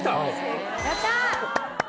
やった！